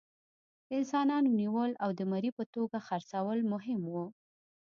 د انسانانو نیول او د مري په توګه خرڅول مهم وو.